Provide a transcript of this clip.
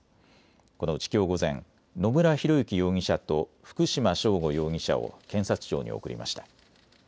このうちきょう午前、野村広之容疑者と福島聖悟容疑者を検察庁に送りました。